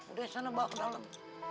udah sana bawa ke dalam